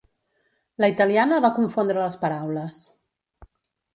La italiana va confondre les paraules.